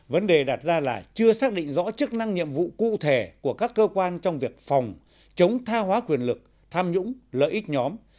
vấn đề đặt ra là chưa xác định rõ chức năng nhiệm vụ cụ thể của các cơ quan trong việc phòng chống tha hóa quyền lực tham nhũng lợi ích nhóm